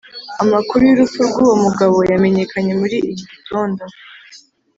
Amakuru y’urupfu rw’uwo mugabo yamenyekanye muri iki gitonda